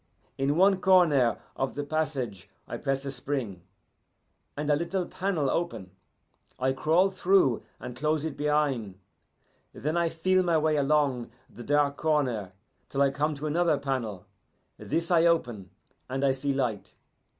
In one corner of the passage I press a spring, and a little panel open. I crawl through and close it behin'. Then I feel my way along the dark corner till I come to another panel. This I open, and I see light.